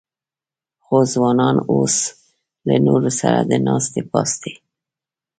خو ځوانان اوس له نورو سره د ناستې پاستې